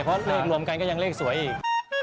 เพราะเลขรวมกันก็ยังเลขสวยอีก